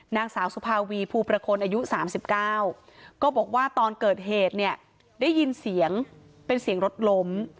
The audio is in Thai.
นางสาวสุภาวีภูประคลอายุ๓๙ก็บอกว่าตอนเกิดเหตุเนี่ยได้ยินเสียงเป็นเสียงรถล้ม